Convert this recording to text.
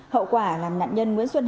hậu quả làm nạn nhân nguyễn xuân hào